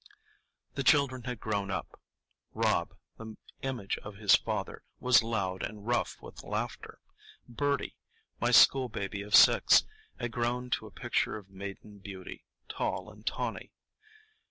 The children had grown up. Rob, the image of his father, was loud and rough with laughter. Birdie, my school baby of six, had grown to a picture of maiden beauty, tall and tawny.